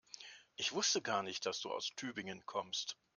Ich wusste gar nicht, dass du aus Tübingen kommst